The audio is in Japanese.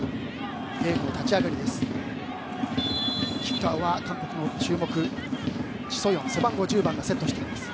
ゲームの立ち上がりです。